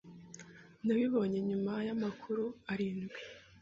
Nabibonye nyuma yamakuru arindwi.